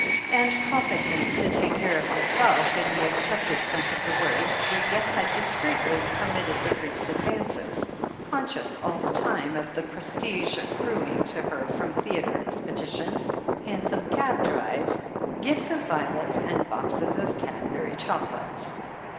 And, competent to take care of her self, in the accepted sense of the words, Lydia had dis creetly permitted the Greek's advances, conscious all the time of the prestige accruing to her from theatre THE HEEL OF ACHILLES 421 expeditions, hansom cab drives, gifts of violets and boxes of Cadbury's chocolates.